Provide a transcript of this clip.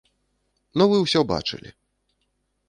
Ну вы ўсё бачылі.